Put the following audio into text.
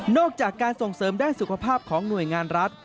อกจากการส่งเสริมด้านสุขภาพของหน่วยงานรัฐ